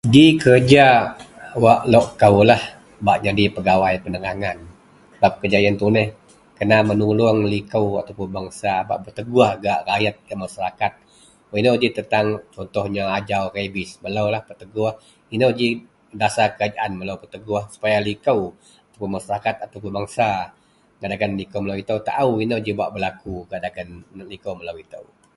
G kerja wak lok kou lah bak jadi pegawai penerangan sebab kerja iyen tuneh kena menulong liko atau bangsa rakyat masyarakat bak petegoh wak ino g tentang ajau, contoh ajau rabies. Melolah petegoh wak ino g dasar kerajaan melolah petegoh supaya liko atau masyarakat bangsa ino g bak belaku dagen liko melo ito.